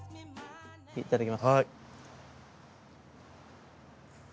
いただきます。